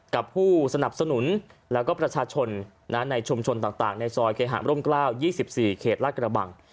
กับผู้สนับสนุนแล้วก็ประชาชนในชุมชนต่างในซอยเคหาร่ม๙๒๔เขตลาดกระบัง